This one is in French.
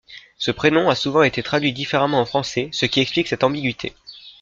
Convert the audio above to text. Ce prénom a souvent été traduit différemment en français, ce qui explique cette ambiguïté.